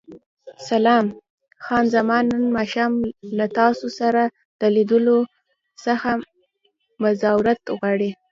سلام، خان زمان نن ماښام له تاسو سره د لیدو څخه معذورت غواړي.